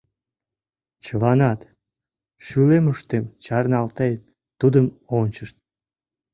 Чыланат, шӱлымыштым чарналтен, тудым ончышт.